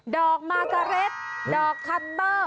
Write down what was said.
ดอกมากาเล็กดอกคันเบอร์